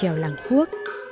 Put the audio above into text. của trèo làng khuốc